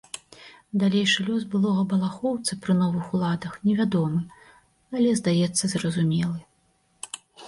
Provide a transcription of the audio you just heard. Далейшы лёс былога балахоўца пры новых уладах невядомы, але, здаецца, зразумелы.